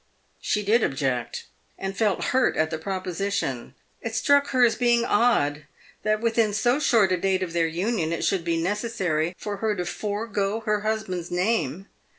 She did object, and felt hurt at the proposition. It struck her as being odd that within so short a date of their union it should be necessary for her to forego her husband's name.